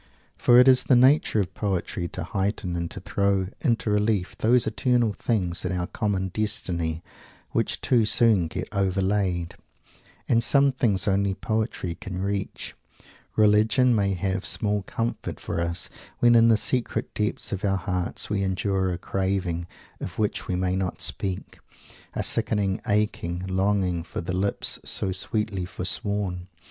For it is the nature of poetry to heighten and to throw into relief those eternal things in our common destiny which too soon get overlaid And some things only poetry can reach Religion may have small comfort for us when in the secret depths of our hearts we endure a craving of which we may not speak, a sickening aching longing for "the lips so sweetly forsworn."